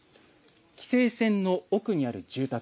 規制線の奥にある住宅。